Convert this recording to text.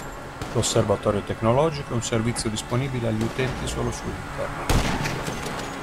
L'Osservatorio Tecnologico è un servizio disponibile agli utenti solo su Internet.